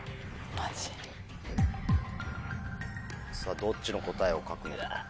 さぁどっちの答えを書く。